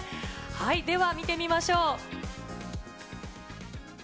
では見てみましょう。